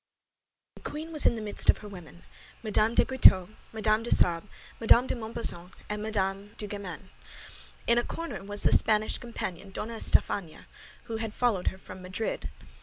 The queen was in the midst of her women—Mme. de Guitaut, Mme. de Sable, Mme. de Montbazon, and Mme. de Guémené. In a corner was the Spanish companion, Donna Estafania, who had followed her from Madrid.